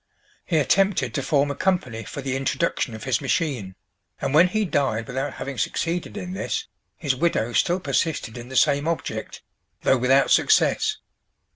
He attempted to form a company for the introduction of his machine, and when he died without having succeeded in this, his widow still persisted in the same object, though without success.